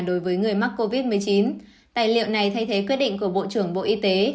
đối với người mắc covid một mươi chín tài liệu này thay thế quyết định của bộ trưởng bộ y tế